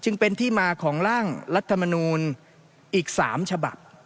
จึงเป็นที่มาของร่างรัฐมนูลอีก๓ฉบับ